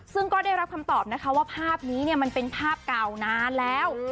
ซึ่งก็ได้รับคำตอบนะคะว่าภาพนี้มันเป็นภาพเก่านานแล้ว